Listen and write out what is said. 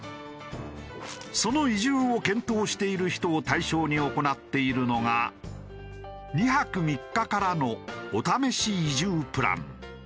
その移住を検討している人を対象に行っているのが２泊３日からのお試し移住プラン。